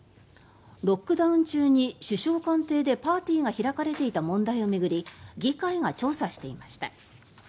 ロックダウン中に首相官邸でパーティーが開かれていた問題を巡り議会が調査していました。